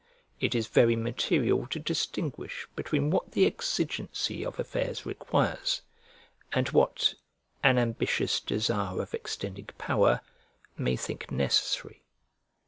It is very material to distinguish between what the exigency of affairs requires and what an ambitious desire of extending power may think necessary.